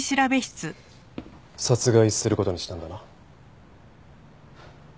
殺害する事にしたんだな。